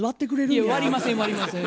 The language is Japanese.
いや割りません割りません。